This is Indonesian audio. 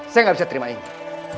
saya nggak bisa terima ini